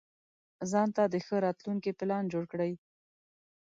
ځانته د ښه راتلونکي پلان جوړ کړئ.